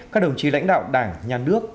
các đồng chí lãnh đạo đảng nhà nước